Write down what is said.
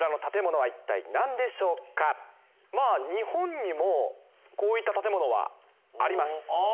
日本にもこういった建物はあります。